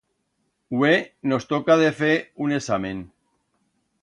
Hue nos toca de fer un examen.